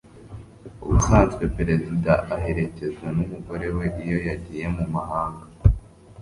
ubusanzwe perezida aherekezwa numugore we iyo yagiye mumahanga